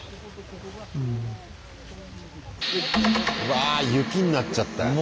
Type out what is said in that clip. わあ雪になっちゃったよ。